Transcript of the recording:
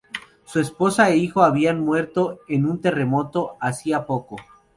Su esposa e hijo habían muerto en un terremoto hacía poco.